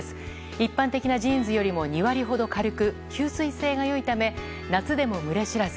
一般的なジーンズよりも２割ほど軽く吸水性が良いため夏でも蒸れ知らず。